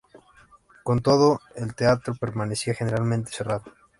Con todo, el teatro permanecía generalmente cerrado.